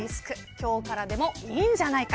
今日からでもいいんじゃないか。